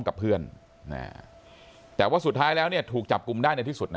กับเพื่อนแต่ว่าสุดท้ายแล้วเนี่ยถูกจับกลุ่มได้ในที่สุดนะ